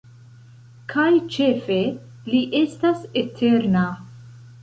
Kaj ĉefe, li estas eterna.